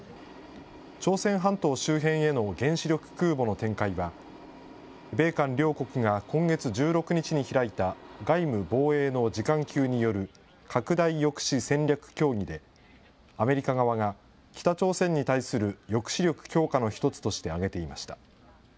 朝鮮半島周辺への原子力空母の展開は、米韓両国が今月１６日に開いた外務・防衛の次官級による拡大抑止戦略協議で、アメリカ側が北朝鮮に対する抑止力強化の一つとして挙げていました。